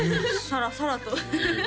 さらさらと